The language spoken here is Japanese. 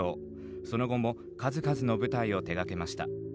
その後も数々の舞台を手がけました。